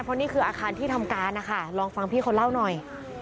เพราะนี่คืออาคารที่ทำการนะคะลองฟังพี่เขาเล่าหน่อย